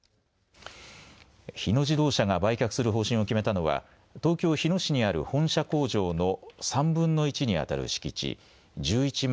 日野自動車が売却する方針を決めたのは東京日野市にある本社工場の３分の１にあたる敷地１１万